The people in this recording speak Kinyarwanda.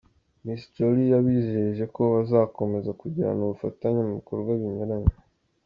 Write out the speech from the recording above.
Miss Jolly yabijeje ko bazakomeza kugirana ubufatanye mu bikorwa binyuranye.